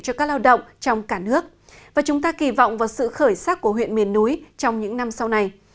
cho các lao động trong cả nước và chúng ta kỳ vọng vào sự khởi sắc của huyện miền núi trong những năm sau này